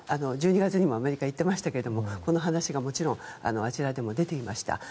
１２月にもアメリカに行っていましたがこの話がもちろんあちらでも出ていました。